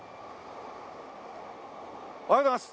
おはようございます。